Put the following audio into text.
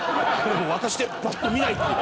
渡してバッと見ないっていう。